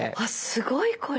すごいこれ。